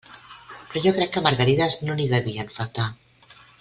Però jo crec que margarides no n'hi devien faltar.